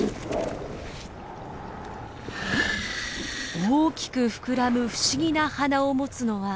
大きく膨らむ不思議な鼻を持つのはオス。